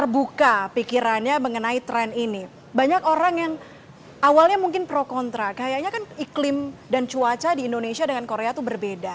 banyak orang yang awalnya mungkin pro kontra kayaknya iklim dan cuaca di indonesia dengan korea itu berbeda